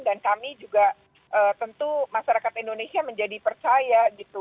dan kami juga tentu masyarakat indonesia menjadi percaya gitu